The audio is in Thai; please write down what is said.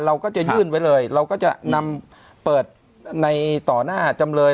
เราก็จะยื่นไว้เลยเราก็จะนำเปิดในต่อหน้าจำเลย